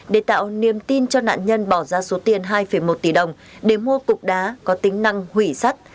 để tạo niềm tin cho nạn nhân bỏ ra số tiền hai một tỷ đồng để mua cục đá có tính năng hủy sắt